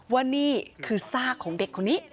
ว่านี่คือซากของเด็กคนนี้